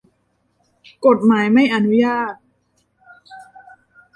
กฎหมายไม่อนุญาต